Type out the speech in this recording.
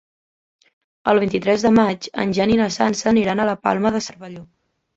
El vint-i-tres de maig en Jan i na Sança aniran a la Palma de Cervelló.